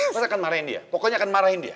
mas mas akan marahin dia pokoknya akan marahin dia